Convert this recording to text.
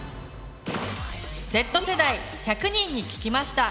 Ｚ世代１００人に聞きました。